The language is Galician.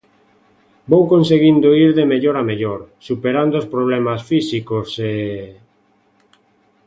Vou conseguindo ir de mellor a mellor, superando os problemas físicos e...